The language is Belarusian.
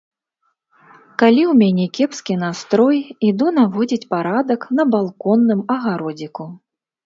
Калі ў мяне кепскі настрой, іду наводзіць парадак на балконным агародзіку.